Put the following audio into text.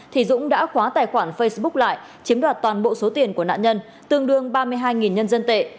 thì dũng đã khóa tài khoản facebook lại chiếm đoạt toàn bộ số tiền của nạn nhân tương đương ba mươi hai nhân dân tệ